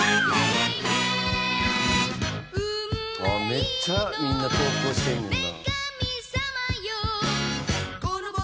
めっちゃみんな投稿してんねんな。